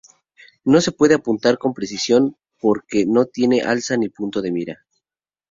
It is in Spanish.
No se puede apuntar con precisión porque no tiene alza ni punto de mira.